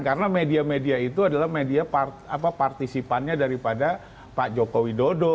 karena media media itu adalah media partisipannya daripada pak jokowi dodo